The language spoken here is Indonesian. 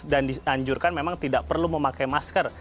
dan ditanjurkan memang tidak perlu memakai masker